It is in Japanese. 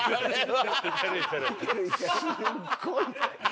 すごいぞ？